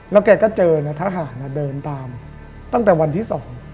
แล้วแกก็เจอนะทหารเดินตามตั้งแต่วันที่๒